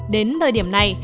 đến thời điểm này